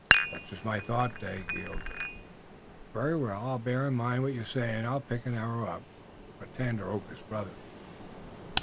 "Such is my thought, Dagaeoga." "Very well. I'll bear in mind what you say, and I'll pick an arrow for Tandakora's brother."